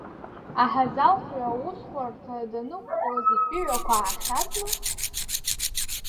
Аҳазалхҩы аусҳәарҭа данықәҵуаз итәыҩақәа аахьазма?